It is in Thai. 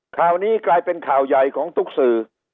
ข่าวนี้กลายเป็นข่าวใหญ่ของทุกสื่อ